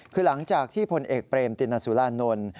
คือหลังจากที่พลเอกเปรมตินสุรานนท์